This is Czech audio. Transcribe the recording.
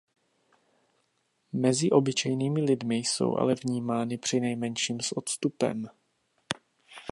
Mezi obyčejnými lidmi jsou ale vnímány přinejmenším s odstupem.